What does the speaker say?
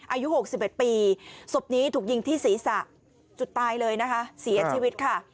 อายุ๖๑ปีศพนี้ถูกยิงที่ศีรษะจุดตายเลยนะคะเสียชีวิตค่ะ